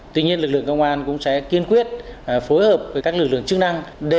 tuy nhiên lực lượng công an cũng sẽ kiên quyết phối hợp với các lực lượng chức năng